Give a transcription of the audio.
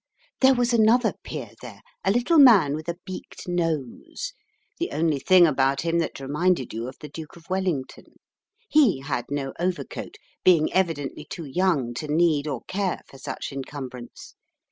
There was another peer there, a little man with a beaked nose, the only thing about him that reminded you of the Duke of Wellington. He had no overcoat, being evidently too young to need or care for such encumbrance.